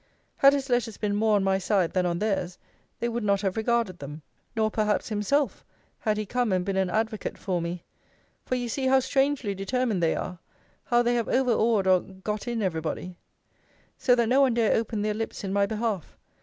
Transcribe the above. Had his letters been more on my side than on theirs, they would not have regarded them: nor perhaps himself, had he come and been an advocate for me: for you see how strangely determined they are; how they have over awed or got in every body; so that no one dare open their lips in my behalf.